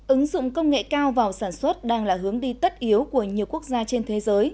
ứng dụng công nghệ cao vào sản xuất đang là hướng đi tất yếu của nhiều quốc gia trên thế giới